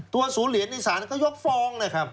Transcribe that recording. ตัวศูนย์เหรียญนี้ศาลง็กฟองนะครับ